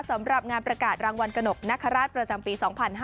สำหรับงานประกาศรางวัลกระหนกนคราชประจำปี๒๕๕๙